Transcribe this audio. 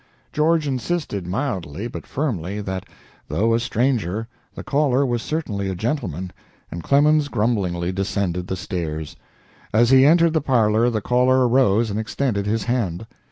George insisted mildly, but firmly, that, though a stranger, the caller was certainly a gentleman, and Clemens grumblingly descended the stairs. As he entered the parlor the caller arose and extended his hand.